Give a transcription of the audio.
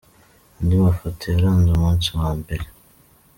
Andi mafoto yaranze umunsi wa mbere.